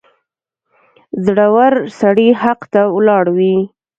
• زړور سړی حق ته ولاړ وي.